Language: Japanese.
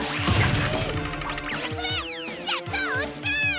１つ目やった落ちた！